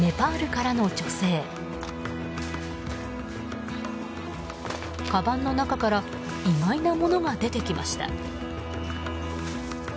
かばんの中から意外なものが出てきました。